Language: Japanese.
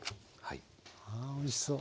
あおいしそう。